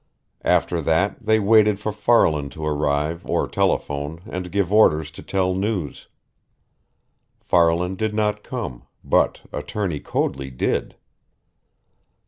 After that, they waited for Farland to arrive or telephone and give orders and tell news. Farland did not come, but Attorney Coadley did.